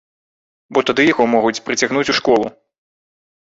Бо тады яго могуць прыцягнуць у школу.